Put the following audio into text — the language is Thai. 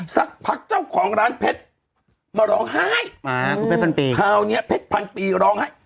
สักพักเจ้าของร้านเพชรมาร้องไห้คราวนี้เพชรพันปีร้องไห้